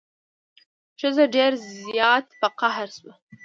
ښځه ډیر زیات په قهر شوه.